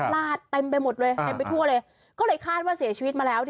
ลาดเต็มไปหมดเลยเต็มไปทั่วเลยก็เลยคาดว่าเสียชีวิตมาแล้ว